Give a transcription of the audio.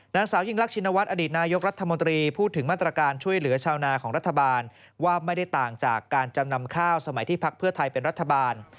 นางสาวยิ่งรักชินวัฒนอดีตนายกรัฐมนตรีพูดถึงมาตรการช่วยเหลือชาวนาของรัฐบาลว่าไม่ได้ต่างจากการจำนำข้าวสมัยที่พักเพื่อไทยเป็นรัฐบาล